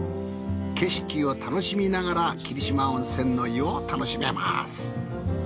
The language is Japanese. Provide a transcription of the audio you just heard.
景色を楽しみながら霧島温泉の湯を楽しめます。